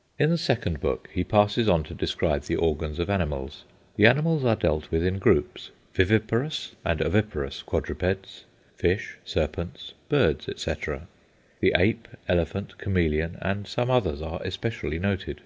" In the second book he passes on to describe the organs of animals. The animals are dealt with in groups viviparous and oviparous quadrupeds, fish, serpents, birds, etc. The ape, elephant, chameleon, and some others are especially noticed.